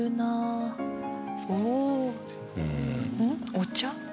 お茶？